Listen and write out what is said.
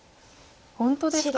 本当ですか？